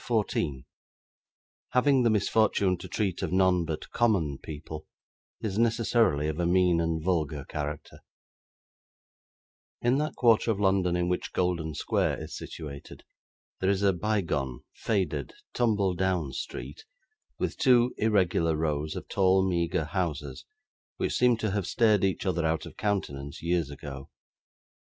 CHAPTER 14 Having the Misfortune to treat of none but Common People, is necessarily of a Mean and Vulgar Character In that quarter of London in which Golden Square is situated, there is a bygone, faded, tumble down street, with two irregular rows of tall meagre houses, which seem to have stared each other out of countenance years ago.